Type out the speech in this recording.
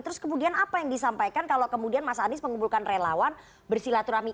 terus kemudian apa yang disampaikan kalau kemudian mas anies mengumpulkan relawan bersilaturahmi